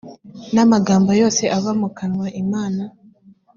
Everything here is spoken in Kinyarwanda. n amagambo yose ava mu kanwa imana